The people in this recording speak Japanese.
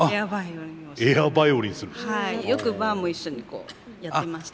よくばあも一緒にやってました。